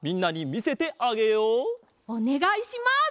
おねがいします！